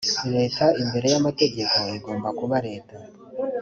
leta imbere y amategeko igomba kuba leta